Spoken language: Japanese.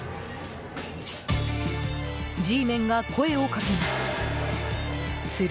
Ｇメンが声をかけます。